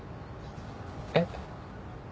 えっ？